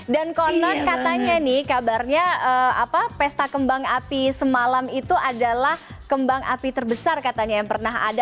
dan konrad katanya nih kabarnya pesta kembang api semalam itu adalah kembang api terbesar katanya yang pernah ada